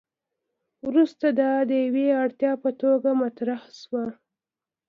وروسته دا د یوې اړتیا په توګه مطرح شو.